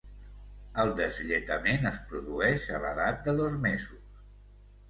El deslletament es produeix a l'edat de dos mesos.